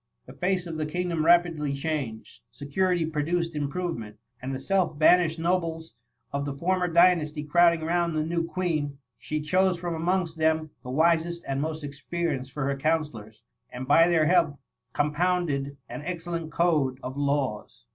The face of the kingdom rapidly changed — ^security produced improvement^and the self banished nobles of the former dynasty crowding round the new Queen, she chose from amongst them the wisest and most experienced for her counsellors, and by their help compounded an excellent code of laws.